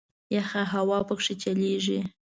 یخه هوا په کې چلیږي.